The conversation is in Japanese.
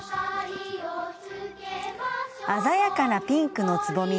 鮮やかなピンクのつぼみ。